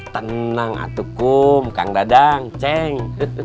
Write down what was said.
tenang atukum kang dadang ceng